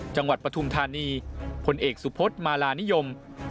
จังหวัดปธุมธานีผลเอกสุพธมาลานิยม